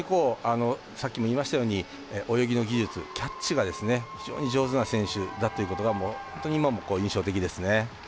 さっきも言いましたように泳ぎの技術、キャッチが非常に上手な選手だということが本当に今も印象的ですね。